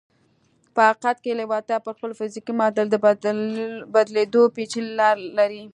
په حقیقت کې لېوالتیا پر خپل فزیکي معادل د بدلېدو پېچلې لارې لري